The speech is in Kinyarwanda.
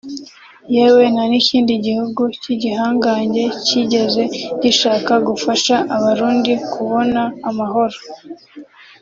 yewe nta n’ikindi gihugu cy’igihangange kigeze gishaka gufasha Abarundi kubona amahoro